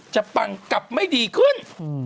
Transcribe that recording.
ปังกลับไม่ดีขึ้น